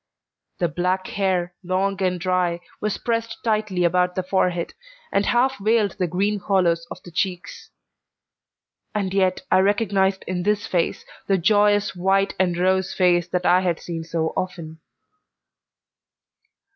The black hair, long and dry, was pressed tightly about the forehead, and half veiled the green hollows of the cheeks; and yet I recognised in this face the joyous white and rose face that I had seen so often.